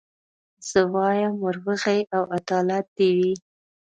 زه وايم وروغي او عدالت دي وي